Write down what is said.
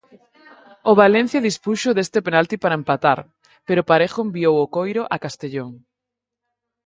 O Valencia dispuxo deste penalti para empatar, pero Parejo enviou o coiro a Castellón.